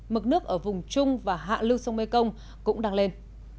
mực nước ở vùng trung và hạ lưu sông mekong cũng đang lên